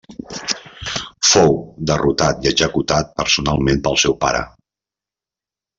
Fou derrotat i executat personalment pel seu pare.